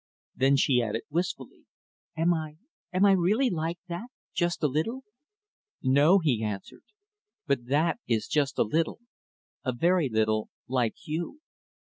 Then she added wistfully, "Am I am I really like that? just a little?" "No," he answered. "But that is just a little, a very little, like you."